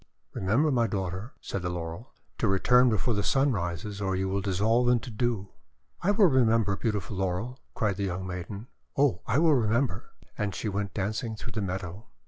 :* Remember, my daughter," said the Laurel, 'to return before the Sun rises, or you will dissolve into dew." :<I will remember, beautiful Laurel," cried the young maiden, "oh, I will remember!" And she went dancing through the meadow.